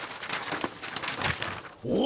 お！